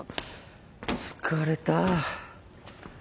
疲れた。